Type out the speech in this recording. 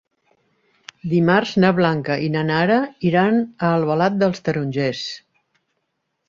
Dimarts na Blanca i na Nara iran a Albalat dels Tarongers.